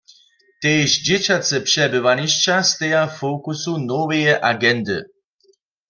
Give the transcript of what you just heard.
Tež dźěćace přebywanišća steja w fokusu noweje agendy.